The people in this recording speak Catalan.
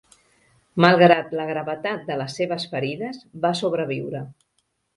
Malgrat la gravetat de les seves ferides, va sobreviure.